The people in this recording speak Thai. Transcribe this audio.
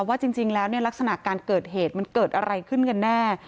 ว่าจริงแล้วลักษณะการเกิดเหตุมันเกิดอะไรขึ้นกันแน่